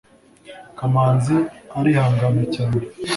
kamanzi arihangana cyane